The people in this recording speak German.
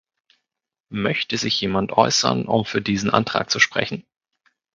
Möchte sich jemand äußern, um für diesen Antrag zu sprechen?